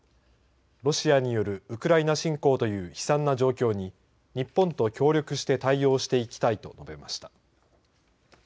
ロシアによるウクライナ侵攻という悲惨な状況に日本と協力して対応していきたいと述べました。